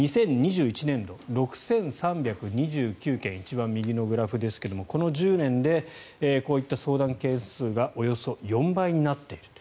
２０２１年度、６３２９件一番右のグラフですがこの１０年でこういった相談件数がおよそ４倍になっている。